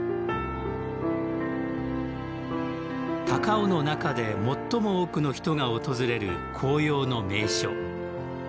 高雄の中で最も多くの人が訪れる紅葉の名所。